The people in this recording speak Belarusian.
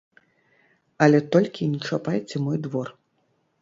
Але толькі не чапайце мой двор!